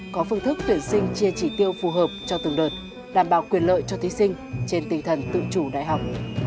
có phương thức tuyển sinh chia chỉ tiêu phù hợp cho từng đợt đảm bảo quyền lợi cho thí sinh trên tinh thần tự chủ đại học